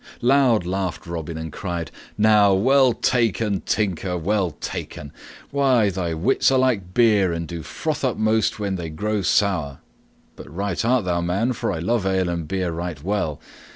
Loud laughed Robin and cried, "Now well taken, Tinker, well taken! Why, thy wits are like beer, and do froth up most when they grow sour! But right art thou, man, for I love ale and beer right well.